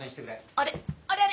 あれ？